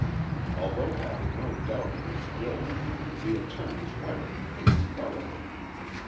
Although having no doubt of his guilt, the attorneys went at the case thoroughly.